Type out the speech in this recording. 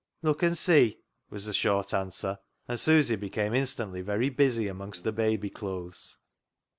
" Look and see," was the short answer, and Susy became instantly very busy amongst the baby clothes.